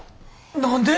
何で！？